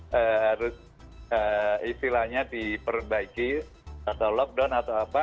harus istilahnya diperbaiki atau lockdown atau apa